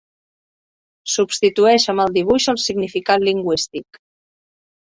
«substitueix amb el dibuix el significant lingüístic».